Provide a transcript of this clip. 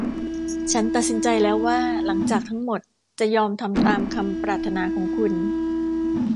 ฉันตัดสินใจแล้วว่าหลังจากทั้งหมด จะยอมทำตามคำปรารถนาของคุณ